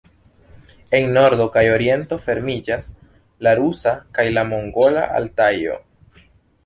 En nordo kaj oriento fermiĝas la rusa kaj mongola Altajo.